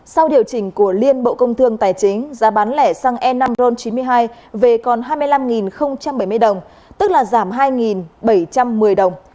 sau điều chỉnh của liên bộ công thương tài chính giá bán lẻ xăng e năm ron chín mươi hai về còn hai mươi năm bảy mươi đồng tức là giảm hai bảy trăm một mươi đồng